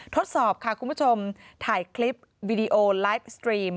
ทดสอบค่ะคุณผู้ชมถ่ายคลิปวิดีโอไลฟ์สตรีม